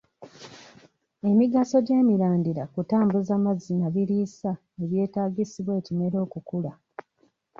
Emigaso gy'emirandira kutambuza mazzi na biriisa ebyetaagisibwa ekimera okukula